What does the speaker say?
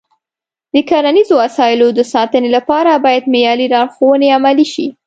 د کرنیزو وسایلو د ساتنې لپاره باید معیاري لارښوونې عملي شي.